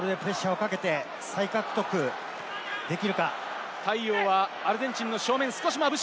このモールでプレッシャーをかけて再獲得できるか？